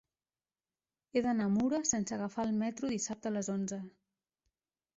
He d'anar a Mura sense agafar el metro dissabte a les onze.